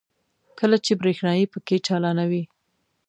کله چې برېښنايي پکې چالانوي.